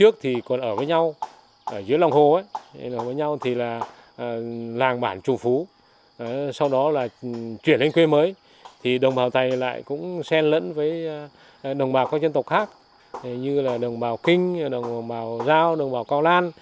chảy hiền hòa